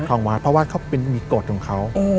ทางวัดเพราะว่ามีกฎของเขา